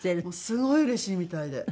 すごいうれしいみたいで。